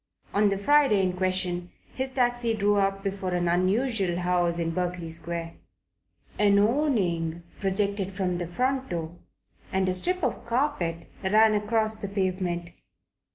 On the Friday in question his taxi drew up before an unusual looking house in Berkeley Square. An awning projected from the front door and a strip of carpet ran across the pavement.